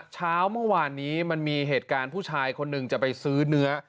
เช้าเมื่อวานนี้มันมีเหตุการณ์ผู้ชายคนหนึ่งจะไปซื้อเนื้อ